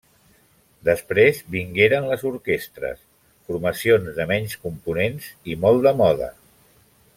Després vingueren les orquestres, formacions de menys components i molt de moda.